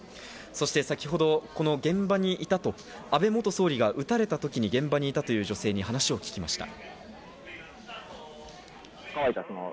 そして先ほど、現場にいた安倍元総理が撃たれた時に現場にいた女性に話を聞きました。